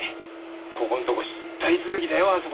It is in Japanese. ここんとこ失態続きだよあそこは。